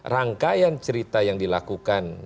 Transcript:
rangkaian cerita yang dilakukan